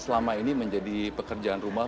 selama ini menjadi pekerjaan rumah